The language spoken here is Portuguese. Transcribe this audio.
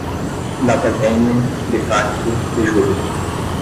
data venia, de facto, de jure